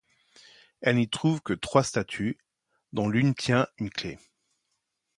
Elle n'y trouve que trois statues, dont l'une tient une clé.